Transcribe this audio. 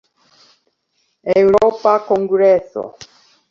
Eŭropa kongreso.